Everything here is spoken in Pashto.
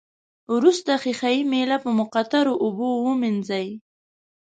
وروسته ښيښه یي میله په مقطرو اوبو ومینځئ.